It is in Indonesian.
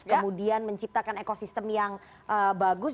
kemudian menciptakan ekosistem yang bagus